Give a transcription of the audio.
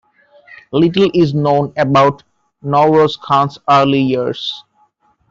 Little is known about Nowroz Khan's early years.